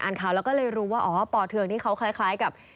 ข่าวแล้วก็เลยรู้ว่าอ๋อป่อเทืองนี่เขาคล้ายกับ